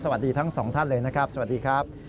สวัสดีทั้งสองท่านเลยนะครับสวัสดีครับ